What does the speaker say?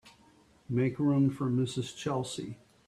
Make room for Mrs. Chelsea.